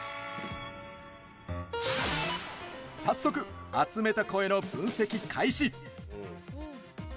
早速、集めた声の分析開始。